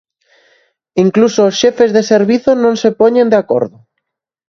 Incluso os xefes de servizo non se poñen de acordo.